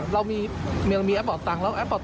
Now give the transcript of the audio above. เลยครับ